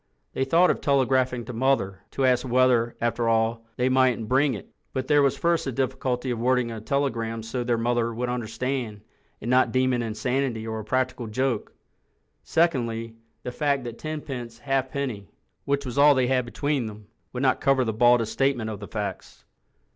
They thought of telegraphing to Mother, to ask whether, after all, they mightn't bring it—but there was first the difficulty of wording a telegram so that their mother would understand and not deem it insanity or a practical joke—secondly, the fact that ten pence half penny, which was all they had between them, would not cover the baldest statement of the facts.